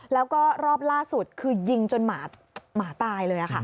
แล้วก็รอบล่าสุดคือยิงจนหมาตายเลย